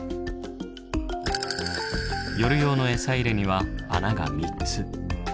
夜用のエサ入れには穴が３つ。